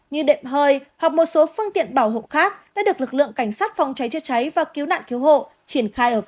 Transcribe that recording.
như đệm hơi hoặc một số phương tiện bảo hộ khác đã được lực lượng cảnh sát phòng cháy chữa cháy và cứu nạn cứu hộ triển khai ở